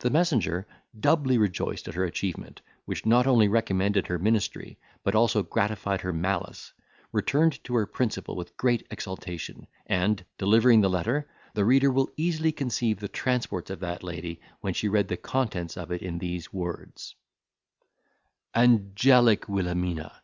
The messenger, doubly rejoiced at her achievement, which not only recommended her ministry, but also gratified her malice, returned to her principal with great exultation, and, delivering the letter, the reader will easily conceive the transports of that lady when she read the contents of it in these words:— "ANGELIC WILHELMINA!